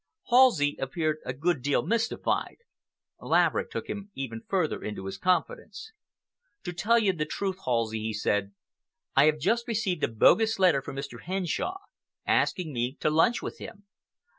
Halsey appeared a good deal mystified. Laverick took him even further into his confidence. "To tell you the truth, Halsey," he said, "I have just received a bogus letter from Mr. Henshaw, asking me to lunch with him.